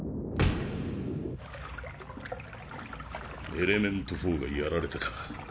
エレメント４がやられたか。